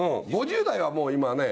５０代はもう今はね